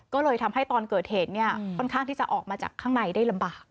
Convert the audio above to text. ก็เลยทำให้ตอนเกิดเหตุค่อนข้างที่จะออกมาจากข้างในได้ลำบาก